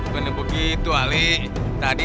bener begitu ali